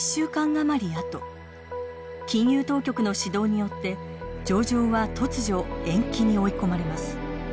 あと金融当局の指導によって上場は突如延期に追い込まれます。